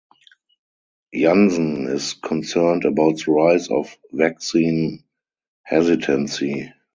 Jansen is concerned about the rise of vaccine hesitancy.